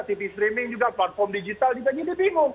tv streaming juga platform digital juga jadi bingung